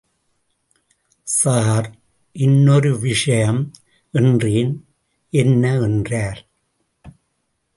Sir இன்னொரு விஷயம் என்றேன் என்ன? என்றார்.